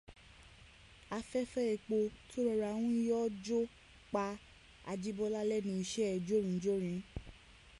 Afẹ́fẹ́ epo tó rọra ń yọ́ọ́ jò pa Ajíbọ́lá lẹ́nu iṣẹ́ jórin-jórin.